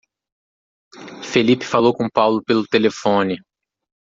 Felipe falou com Paulo pelo telefone.